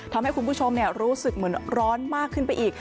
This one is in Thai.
ทำให้คุณผู้ชมรู้สึกเหมือนร้อนมากขึ้นไปอีก